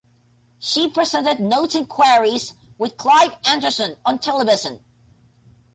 She presented "Notes and Queries" with Clive Anderson on television.